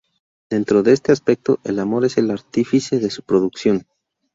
Dentro de este aspecto, el amor es el artífice de su producción".